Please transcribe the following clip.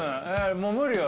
もう無理よ。